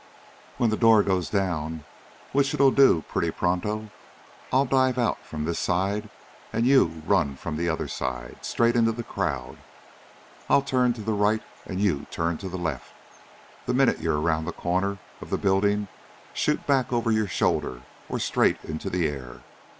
"When the door goes down, which it'll do pretty pronto, I'll dive out from this side, and you run from the other side, straight into the crowd. I'll turn to the right, and you turn to the left. The minute you're around the corner of the building shoot back over your shoulder, or straight into the air.